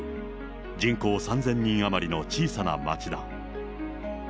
人口３０００人余りの小さな町だ。